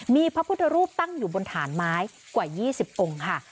มีพระพุทธรูปตั้งอยู่บนฐานไม้กว่า๒๐องค์ค่ะ